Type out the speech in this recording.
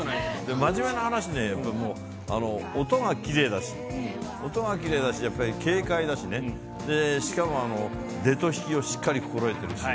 真面目な話ね、やっぱりもう音がきれいだし、音がきれいだし、やっぱり軽快だしね、しかも出と引きをしっかり心得ているし。